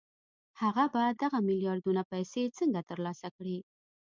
هغه به دغه میلیاردونه پیسې څنګه ترلاسه کړي